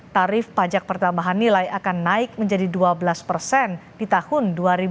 tarif pajak pertambahan nilai akan naik menjadi dua belas persen di tahun dua ribu dua puluh